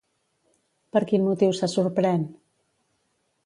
Per quin motiu se sorprèn?